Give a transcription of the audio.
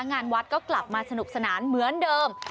งานวัดก็กลับมาสนุกสนานเหมือนเดิม